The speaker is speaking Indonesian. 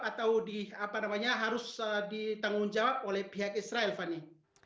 atau harus ditanggung jawab oleh pihak israel fani